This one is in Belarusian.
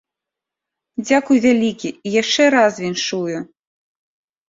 Дзякуй вялікі і яшчэ раз віншую!